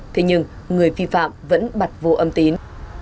thế nhưng người vi phạm vẫn bật vô âm tín